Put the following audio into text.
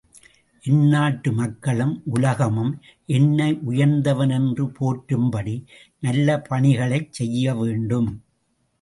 என் நாட்டு மக்களும், உலகமும் என்னை உயர்ந்தவன் என்று போற்றும்படி நல்ல பணிகளைச் செய்யவேண்டும்.